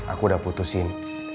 aku udah putusin